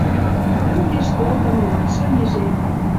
Мӹнгеш толдым луатшӹм и жеп.